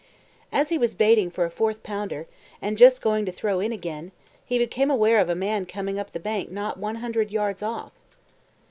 As he was baiting for a fourth pounder, and just going to throw in again, he became aware of a man coming up the bank not one hundred yards off.